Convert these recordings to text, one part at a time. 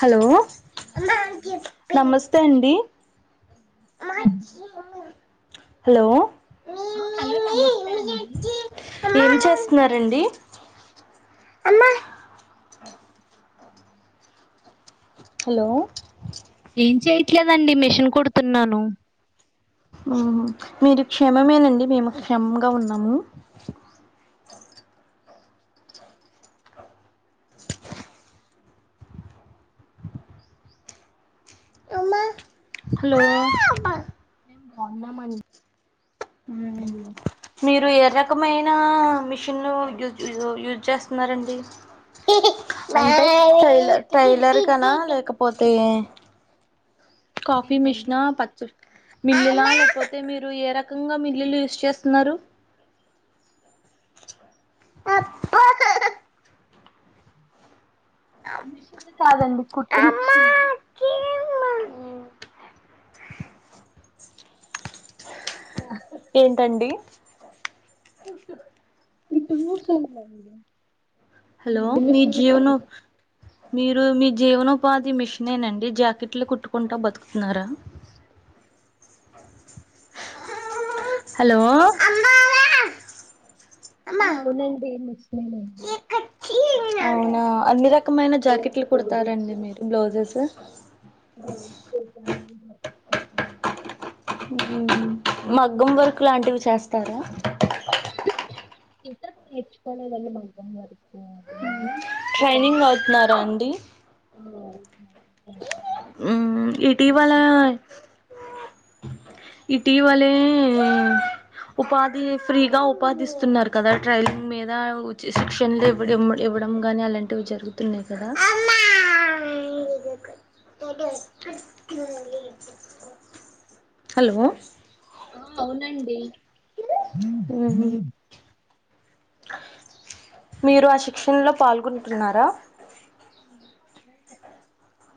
Hello నమస్తే అండి hello hello నమస్తే అండి ఏం చేస్తున్నారండి అమ్మా స హలో ఏం చెయట్లేదండి మిషన్ కుడుతున్నాను ఉ మీరు క్షమమేనండి మేము క్షమంగా ఉన్నాము హలో మేం బాగున్నామండి మీరు ఎర రకమైన మిషన్ యూజ్ చేస్తున్నారండి ట్రైలర్ కనా లేకపోతే కాఫీ మిషన్ పచ్చ మిల్లిలా లేకపోతే మీరు ఏ రకంగా మిల్లులు యూస్ చేస్తున్నారు [inaudible] మిషన్ కాదండి కుట్టు మిషన్ మ ఏంటండి ఇ [unintelligible] హలో మీ జీవనవ్ మీరు మీ జీవనోపాధి మిషన్ ఏనండి జాకెట్లు కుట్టుకుంటా బతుకుతున్నారా హలో ఆ అవునండి అవునా అన్ని రకమైన జాకెట్లు కుడతారండి మీరు బ్లౌజెస్ మగ్గం వర్క్ లాంటివి చేస్తాం క్కను ఇంక నేర్చుకోలేదండి మగ్గం వర్క్ ట్రైనింగ్ అవుతున్నారా అండి అ ఇటీ వాలా ఇటీవలే ఉపాధి ఫ్రీగా ఉపాధిస్తున్నారు కదా ట్రైలింగ్ మీద శిక్షణలువ్వ ఇవ్వడం గాని అలాంటివి జరుగుతున్నాయి కదా హలో అవునండి మీరు ఆ శిక్షణలో పాల్గొంటున్నారా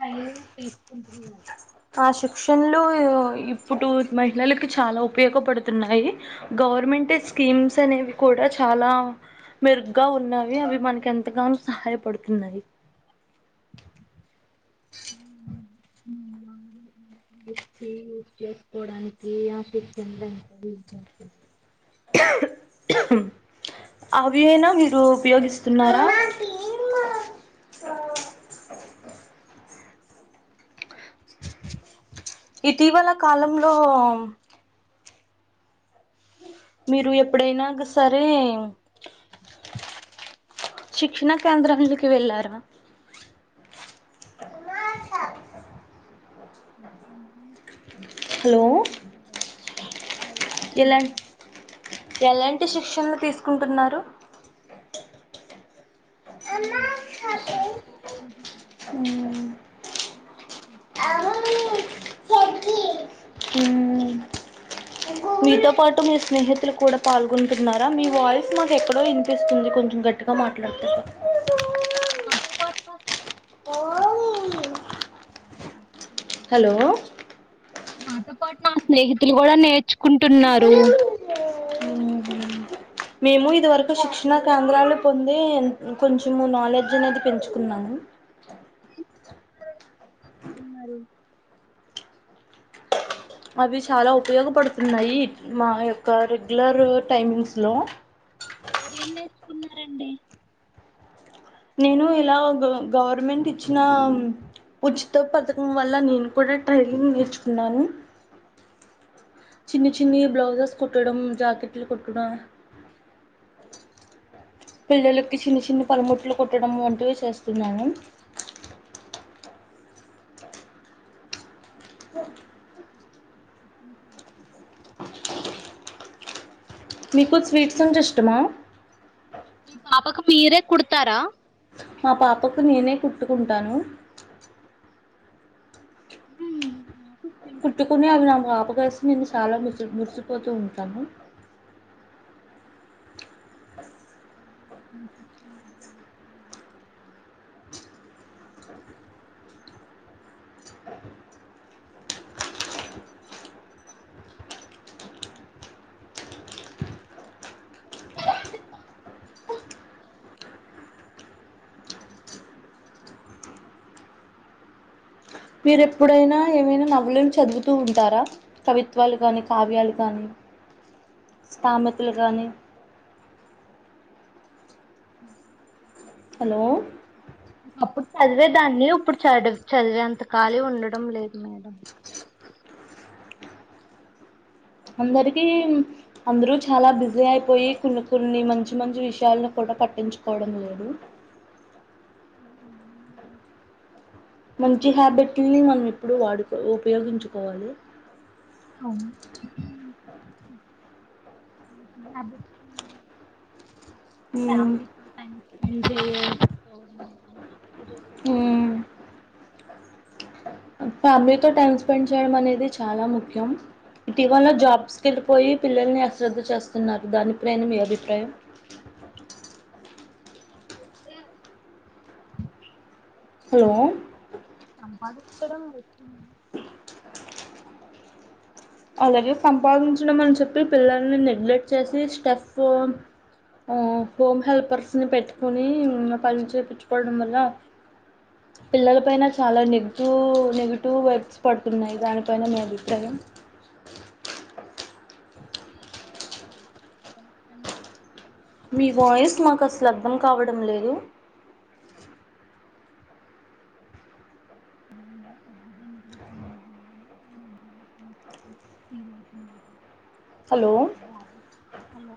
అ అ ఆ శిక్షణలు ఇప్పుడు మహిళలకి చాలా ఉపయోగపడుతున్నాయి గవర్నమెంట్ స్కీమ్స్ అనేవి కూడా చాలా మెరుగ్గా ఉన్నావి అవి మనకి ఎంతగానో సహాయపడుతున్నాయి [inaudible] యూస్ చేసుకోడానికి ఆశించందింత వి అవి అయినా విరుూ ఉపయోగిస్తున్నారా ఇటీవల కాలంలో మీరు ఎప్పుడైనా క సరే శిక్షణ కేంద్రాకి వెళ్ళారా అ హలో ఎప్పుడు వెలలేదండి ఎలా వెళ్ళలేదండి ఎలాంటి శిక్షణలు తీసుకుంటున్నారు విష [inaudible] మ్మ్ ఉ అ ఉమ్ మీతో పాటు మీ స్నేహితులు కూడా పాల్గొంటున్నారా మీ వాయిస్ నాకు ఎక్కడో వినిపిస్తుంది కొంచెం గట్టిగా మాట్లాడతారా మా తో పాటు మా స్నేహితులు కూడా ఉంటారండి హలో నాతో పాటు నా స్నేహితులు కూడా నేర్చుకుంటున్నారు మ్మ్. మేము ఇదివరకు శిక్షణ కేంద్రాలు పొందే కొంచెము నాలెడ్జ్ అనేది పెంచుకున్నాను నేర్చుకున్నారు అవి చాలా ఉపయోగపడుతున్నాయి మా యొక్క రెగ్యులర్ టైమింగ్స్ లో మీరేం నేర్చుకున్నారండి నేను ఇలా గవర్నమెంట్ ఇచ్చిన ఉచిత పథకం వల్ల నేను కూడా ట్రైనింగ్ నేర్చుకున్నాను చిన్ని చిన్ని బ్లౌజస్ కుట్టడం జాకెట్లు కొట్టడం పిల్లలకి చిన్ని చిన్ని పలుముట్లు కొట్టడం వంటివి చేస్తున్నాను అఓ మీకు స్వీట్స్ అంటే ఇష్టమా మీ పాపకు మీరే కుడతారా మా పాపకు నేనే కుట్టుకుంటాను ఉమ్ కుట్టుకుని అవి నా పాపకేసి నేను చాలా ముసి మురిసిపోతూ ఉంటాము [inaudible] మీరు ఎప్పుడైనా ఏమైనా నవలులను చదువుతూ ఉంటారా కవిత్వాలు కానీ కావ్యాలు కానీ సామెతలు కానీ హలో అప్పుడు చదివేదాన్ని ఇప్పుడు చది చదివే అంత కాలి ఉండడం లేదు మేడం అందరికీ అందరూ చాలా బిజీ అయిపోయి కొన్ని కొన్ని మంచి మంచి విషయాలను కూడా పట్టించుకోవడం లేదు మంచి హ్యాబిట్ని మనం ఎప్పుడు వాడుకో ఉపయోగించుకోవాలి అవు [unintelligible] మ్మ్ ఫ్యామిలీతో టైమ్ స్పెండ్ చేయటం [unintelligible] మ్మ్ ఫ్యామిలీతో టైం స్పెండ్ చేయడం అనేది చాలా ముఖ్యం ఇటీవల జాబ్స్కి వెళ్ళిపోయి పిల్లల్ని అశ్రద్ధ చేస్తున్నారు దాని పైన మీ అభిప్రాయం అతే హలో ఇక్కడ అలాగే సంపాదించడం అని చెప్పి పిల్లల్ని నెగ్లెక్ట్ చేసి స్టెఫ్ హోమ్ హెల్పర్స్ని పెట్టుకొని పని చేయించుకోవడం వల్ల పిల్లల పైన చాలా నెగిటివ్ నెగిటివ్ వైబ్స్ పడుతున్నాయి దానిపైన మీ అభిప్రాయం మీ వాయిస్ మాకు అసలు అర్థం కావడం లేదు హలో [unintelligible] హలో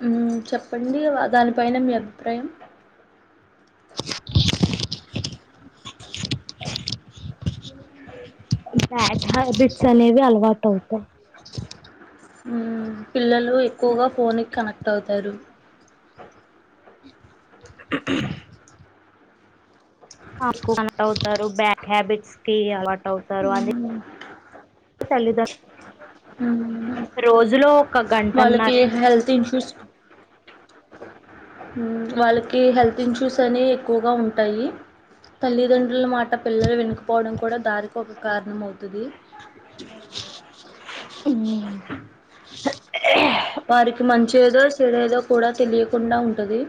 హమ్ చెప్పండి దానిపైన మీ అభిప్రాయం బ్యాడ్ హ్యాబిట్స్ అనేవి అలవాటు అవుతాయి హమ్ పిల్లలు ఎక్కువగా ఫోన్కి కనెక్ట్ అట్ అవుతారు అట్ అవుతారు బ్యాడ్ హ్యాబిట్స్ కి అలవాట్ అవుతారు అది మ్మ్ తల్లిదండ్రులు మ్మ్ రోజులో ఒక వాళ్ళకి గంటన్నరైనా హెల్త్ ఇన్యూస్ హమ్ వాళ్ళకి హెల్త్ ఇన్ష్యూస్ అని ఎక్కువగా ఉంటాయి తల్లిదండ్రుల మాట పిల్లలు వినుకపోవడం కూడా దానికి ఒక కారణం అవుతది ఉ వారికి మంచిేదో చేడేదో కూడా తెలియకుండా ఉంటది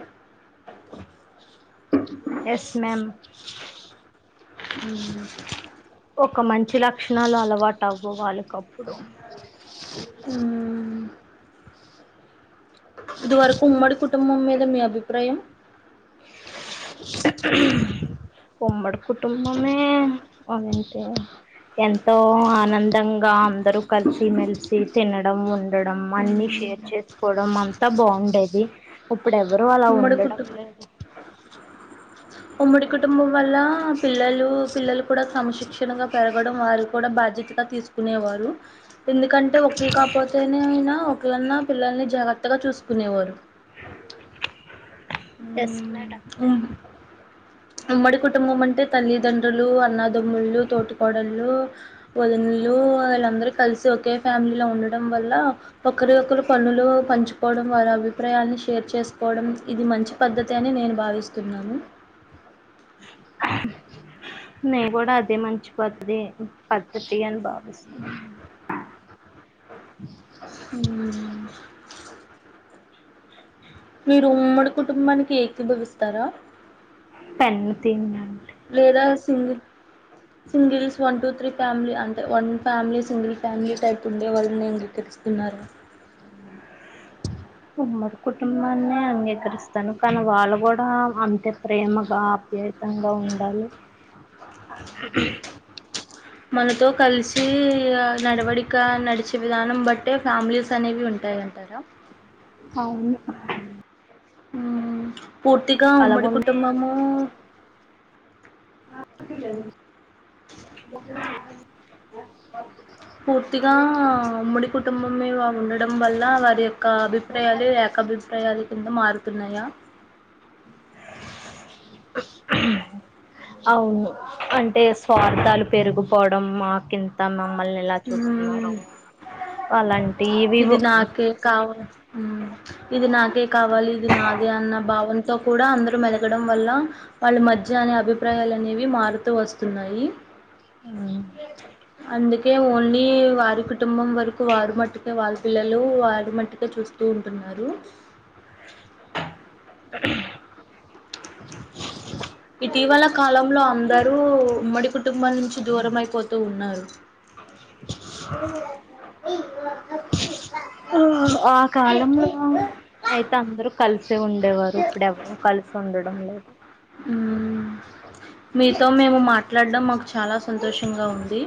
ఎస్ మేమ్ అ ఒక మంచి లక్షణాలు అలవాటు అవ్వవు వాళ్ళకప్పుడు ఉ ఇది వరకు ఉమ్మడి కుటుంబం మీద మీ అభిప్రాయం ఉమ్మడి కుటుంబమే అదంటే ఎంతో ఆనందంగా అందరూ కలిసి మెలిసి తినడం ఉండ డం అన్ని షేర్ చేసుకోవడం అం అంతా బాగుండేది ఇప్పుడు ఏ ఎవరు అలా ఉమ్మడి ఉండడం కుటు లేదు ఉమ్మడి కుటుంబం వల్ల పిల్లలు పిల్లలు కూడా క్రమశిక్షణగా పెరగడం వారు కూడా బాధ్యతగా తీసుకునేవారు ఎందుకంటే ఒకరు కాకపోతేనే అయినా ఒకలన్నా పిల్లల్ని జాగ్రత్తగా చూసుకునేవారు ఎస్ మేడం అ అ ఉమ్మడి కుటుంబం అంటే తల్లిదండ్రులు అన్నదమ్ముళ్ళు తోటి కోడళ్ళు వదనలు వాళ్ళందరూ కలిసి ఒకే ఫ్యామిలీలో ఉండడం వల్ల ఒకరి ఒకరు పనులు పంచుకోవడం వాళ్ళ అభిప్రాయాలని షేర్ చేసుకోవడం ఇది మంచి పద్ధతి అని నేను భావిస్తున్నాను నే కూడా అదే మంచి పద్ధతి పద్ధతి అని భావిస్తున్నాను అ మీరు ఉమ్మడి కుటుంబానికి ఏకిభావిస్తారా పెన్ను తీయండి లేదా single singles one two three family అంటే one family single family type ఉండే వాళ్ళని అంగీకరిస్తున్నారు ఉమ్మడి కుటుంబాన్ని అంగీకరిస్తాను కానీ వాళ్ళు కూడా అంతే ప్రేమగా అప ఆప్యాయంగా ఉండాలి మనతో కలిసి నడవడిక నడిచే విధానం భట్టే ఫ్యామిలీస్ అనేవి ఉంటాయింటారా అవును ఉ పూర్తిగా ఉమ్మడి అలాగున్నే కుటుంబము పూర్తిగా ఉమ్ముడి కుటుంబమే వాళ్ళుండేది ఉండడంవల్ల వారి యొక్క అభిప్రాయాలు ఏకభిప్రాయాలు కింద మారుతున్నాయా అవును అంటే స్వార్థాలు పెరిగిపోవడం మాకింత మా మమ్మల్ని ఎలా చూస్తున్నారో హ్మ్. అలాంటివి ఏవేవో ఉమ్ ఇది నాకే కావాలి ఇది నాదే అన్న భావన తో కూడా అందరూ మెలగడం వల్ల వాళ్ళ మజ్య అనే అభిప్రాయాలు అనేవి మారుతూ వస్తున్నాయి. అందు కే ఓన్లీ వారి కుటుంబం వరకు వారు మట్టుకే వాళ్ళు పిల్లలు వారు మట్టుకే చూస్తూ ఉంటున్నారు. ఇటీవల కాలంలో అంద రూ ఉమ్మడి కుటుంబాల నుంచి దూరమైపోతూ ఉన్నారు ఆ ఆ కాలంలో అయి తే అందరు కల్స్ సే ఉండేవారు ఇప్పుడెవరు కలిసి ఉండడం లేదు ఉమ్మ్ మీతో మేము మాట్లాడ్డం మాక్ చాలా సంతోషంగా ఉంది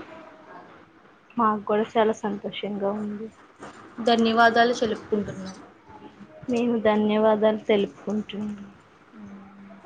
మాకు కూడా చాలా సంతోషంగా ఉంది తెలుసుకుంటున్నా మేము ధన్యవాదాలు తెలు పు కుంటునా ఉ